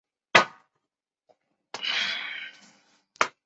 可以省一笔钱